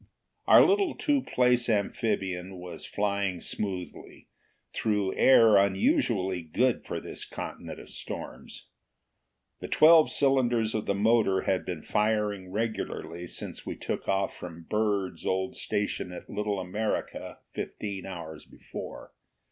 Our little two place amphibian was flying smoothly, through air unusually good for this continent of storms. The twelve cylinders of the motor had been firing regularly since we took off from Byrd's old station at Little America fifteen hours before.